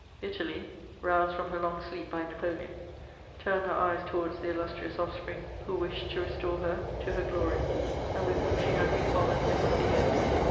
Italy, roused from her long sleep by Napoleon, turned her eyes towards the illustrious offspring who wished to restore her to her glory, and with whom she had re fallen beneath the yoke.